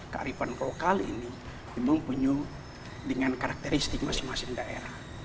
kearifan lokal ini mempunyai dengan karakteristik masing masing daerah